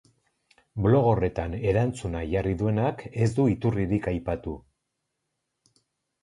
Blog horretan erantzuna jarri duenak ez du iturririk aipatu.